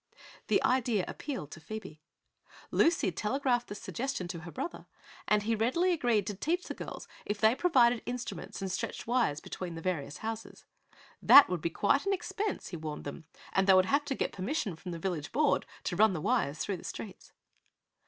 The idea appealed to Phoebe. Lucy telegraphed the suggestion to her brother and he readily agreed to teach the girls if they provided instruments and stretched wires between the various houses. That would be quite an expense, he warned them, and they would have to get permission from the village board to run the wires through the streets.